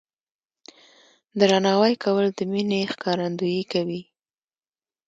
درناوی کول د مینې ښکارندویي کوي.